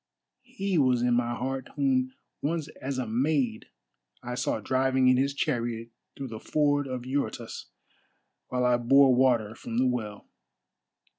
He was in my heart whom once as a maid I saw driving in his chariot through the ford of Eurotas while I bore water from the well.